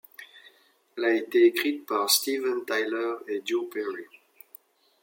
Elle a été écrite par Steven Tyler et Joe Perry.